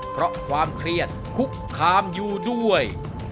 เพราะความเครียดคุกคามอยู่ด้วย